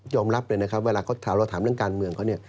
รับเลยนะครับเวลาเขาถามเรื่องการเมืองเขาเนี่ย